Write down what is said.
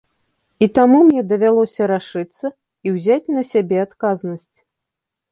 І таму мне давялося рашыцца і ўзяць на сябе адказнасць.